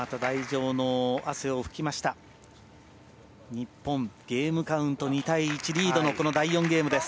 日本、ゲームカウント２対１リードのこの第４ゲームです。